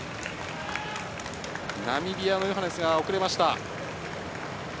ナミビアのジョハネスが遅れました。